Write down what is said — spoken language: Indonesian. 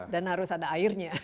dan harus ada airnya